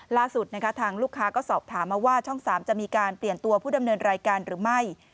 ล่าสุดทางลูกค้าก็สอบถามมาว่าช่อง๓จะมีการเปลี่ยนตัวผู้ดำเนินรายการหรือไม่